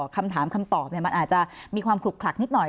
คำถามคำตอบมันอาจจะมีความขลุกขลักนิดหน่อย